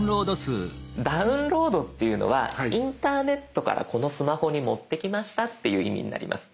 ダウンロードっていうのはインターネットからこのスマホに持ってきましたっていう意味になります。